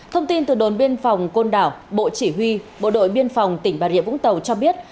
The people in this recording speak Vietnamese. thông tin từ đồn biên phòng côn đảo bộ chỉ huy bộ đội biên phòng tỉnh bà rịa vũng tàu cho biết